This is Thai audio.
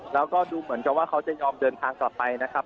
แล้วก็ดูเหมือนกับว่าเขาจะยอมเดินทางกลับไปนะครับ